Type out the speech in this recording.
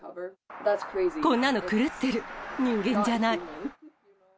こんなの狂ってる、人間じゃない。